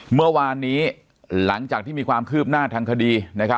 เมื่อวานนี้หลังจากที่มีความคืบหน้าทางคดี